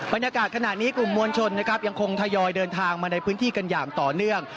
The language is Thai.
บรรยากาศขณะนี้กลุ่มมวลชนนะครับยังคงทยอยเดินทางมาในพื้นที่กันอย่างต่อเนื่อง